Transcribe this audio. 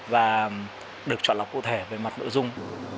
và được chọn lọc cụ thể về mặt nội dung